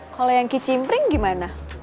kalau yang kicimpring gimana